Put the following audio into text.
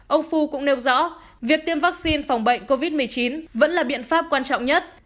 ông fu cũng nêu rõ việc tiêm vaccine phòng bệnh covid một mươi chín vẫn là biện pháp quan trọng nhất